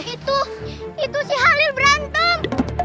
itu itu sih halil berantem